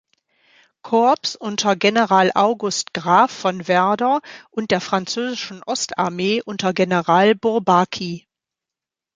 Korps unter General August Graf von Werder und der französischen Ostarmee unter General Bourbaki.